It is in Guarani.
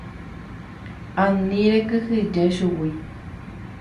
Ani rekyhyje chugui.